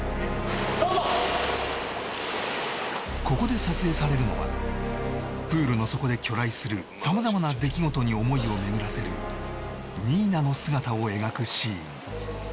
ここで撮影されるのはプールの底で去来する様々な出来事に思いを巡らせる新名の姿を描くシーン